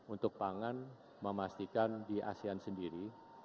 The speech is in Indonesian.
untuk pangan memastikan di asean sendiri